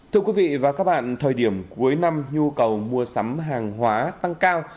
thưa quý vị và các bạn thời điểm cuối năm nhu cầu mua sắm hàng hóa tăng cao